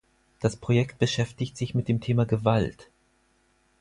Das Projekt beschäftigt sich mit dem Thema Gewalt.